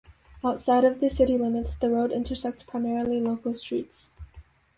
Outside of the city limits, the road intersects primarily local streets.